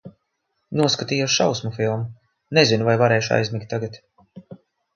Noskatījos šausmu filmu. Nezinu, vai varēšu aizmigt tagad.